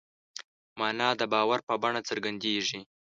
مانا د باور په بڼه څرګندېږي.